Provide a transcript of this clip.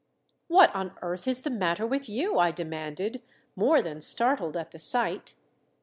"] "What on earth is the matter with you?" I demanded, more than startled at the sight.